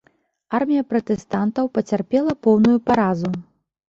Армія пратэстантаў пацярпела поўную паразу.